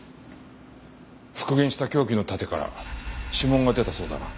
復元した凶器の盾から指紋が出たそうだな？